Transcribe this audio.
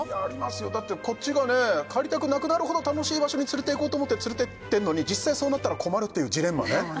よだってこっちがね帰りたくなくなるほど楽しい場所に連れて行こうと思って連れて行ってるのに実際そうなったら困るっていうジレンマね